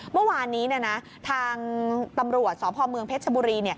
เมื่อวานนี้ทางตำรวจสพเมืองเพชรชบุรี